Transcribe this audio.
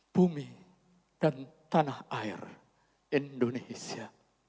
bumi dan tanah air indonesia